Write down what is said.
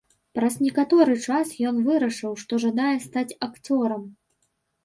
Праз некаторы час ён вырашыў, што жадае стаць акцёрам.